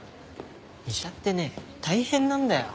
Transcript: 医者ってね大変なんだよ。